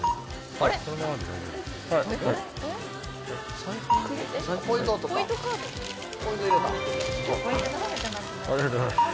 ありがとうございます。